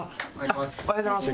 おはようございます。